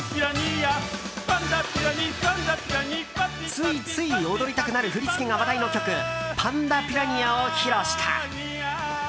ついつい踊りたくなる振り付けが話題の曲「パンダピラニア」を披露した。